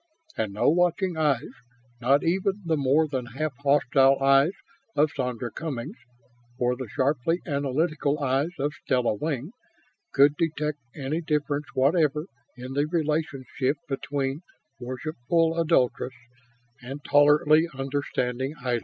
And no watching eyes, not even the more than half hostile eyes of Sandra Cummings or the sharply analytical eyes of Stella Wing, could detect any difference whatever in the relationship between worshipful adulatress and tolerantly understanding idol.